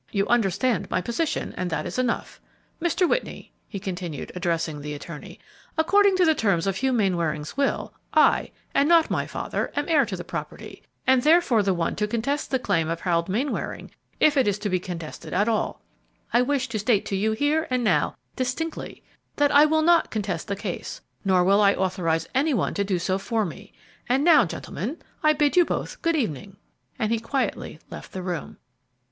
You understand my position, and that is enough. Mr. Whitney," he continued, addressing the attorney, "according to the terms of Hugh Mainwaring's will, I, and not my father, am heir to the property, and therefore the one to contest the claim of Harold Mainwaring if it is contested at all. I wish to state to you here and now, distinctly, that I will not contest the case, nor will I authorize any one to do so for me; and now, gentlemen, I bid you both good evening!" and he quietly left the room.